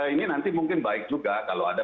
ini nanti mungkin baik juga kalau ada